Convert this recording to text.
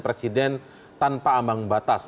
presiden tanpa ambang batas